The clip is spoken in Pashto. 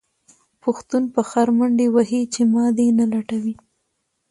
پښتون په خر منډې وهې چې ما دې نه لټوي.